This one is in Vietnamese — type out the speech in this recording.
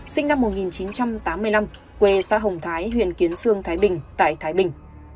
sinh năm một nghìn chín trăm tám mươi năm quê xã hồng thái huyện kiến sương thái bình tại thái bình